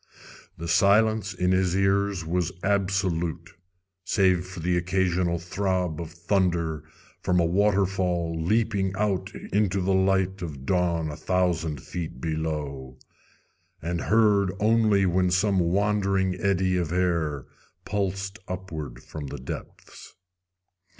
The silence in his ears was absolute, save for the occasional throb of thunder from a waterfall leaping out into the light of dawn a thousand feet below, and heard only when some wandering eddy of air pulsed upward from the depths.